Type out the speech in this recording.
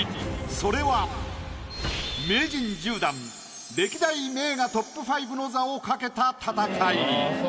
それは名人１０段歴代名画ＴＯＰ５の座を懸けた戦い。